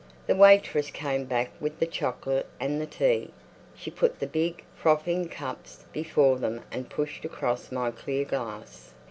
The waitress came back with the chocolate and the tea. She put the big, frothing cups before them and pushed across my clear glass.